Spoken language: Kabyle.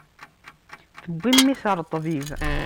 Tewwi mmi-s ɣer ṭṭbib.